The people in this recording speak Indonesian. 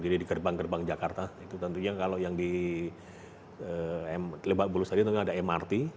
jadi di gerbang gerbang jakarta itu tentunya kalau yang di lebak bulus tadi tentunya ada mrt